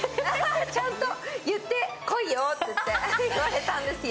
ちゃんと言ってこいよって言われたんですよ。